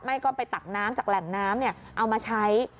ไม่ก็ไปตักน้ำจากแหล่งน้ำเอามาใช้